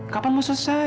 kapan mau selesai